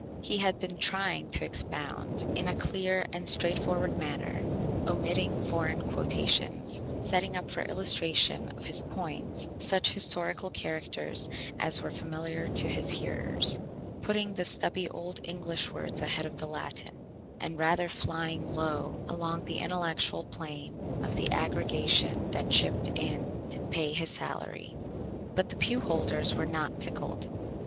He had been trying to Expound in a clear and straightforward Manner, omitting Foreign Quotations, setting up for illustration of his Points such Historical Characters as were familiar to his Hearers, putting the stubby Old English words ahead of the Latin, and rather flying low along the Intellectual Plane of the Aggregation that chipped in to pay his Salary. But the Pew Holders were not tickled.